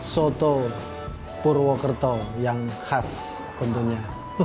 soto purwokerto yang khas tentunya